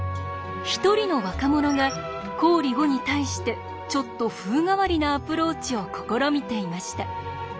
一人の若者が公理５に対してちょっと風変わりなアプローチを試みていました。